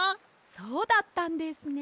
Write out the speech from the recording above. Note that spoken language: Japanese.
そうだったんですね。